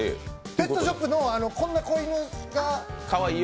ペットショップのこんな子犬が。